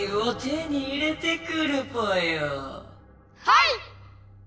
はい！